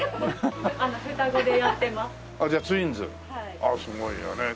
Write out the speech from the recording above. ああすごいよね。